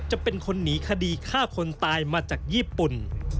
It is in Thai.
จะเป็นคนหนีคดีฆ่าคนตายมาจากญี่ปุ่น